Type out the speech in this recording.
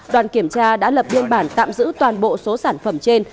đoàn kiểm tra đã lập biên bản tạm giữ toàn bộ số sản phẩm trên